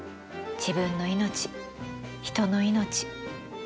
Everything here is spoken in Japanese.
自分の命ひとの命。